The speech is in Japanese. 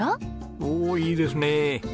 おおいいですね！